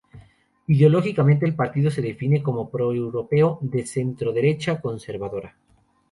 Ideológicamente, el partido se define como pro-europeo de centro-derecha conservadora.